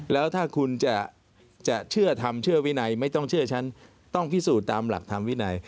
แล้วถ้าคุณจะเชื่อทำเชื่อวินัยไม่ต้องเชื่อฉันต้องพิสูจน์ตามหลักธรรมวินัย